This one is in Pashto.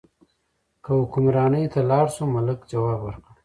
که حکمرانۍ ته لاړ شو، ملک ځواب ورکړ.